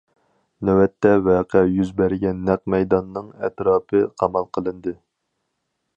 نۆۋەتتە، ۋەقە يۈز بەرگەن نەق مەيداننىڭ ئەتراپى قامال قىلىندى.